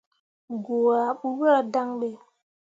Goo ah ɓuura dan ɓe.